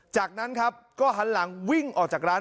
จากนั้นครับก็หันหลังวิ่งออกจากร้าน